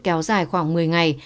kéo dài khoảng một mươi ngày